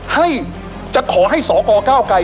ให้จะขอให้สอกล้าวไกย